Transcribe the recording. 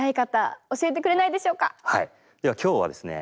では今日はですね